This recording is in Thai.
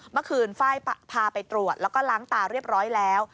เมื่อคืนฝ้ายพาไปตรวจแล้วก็ล้างตาเรียบร้อยแล้ว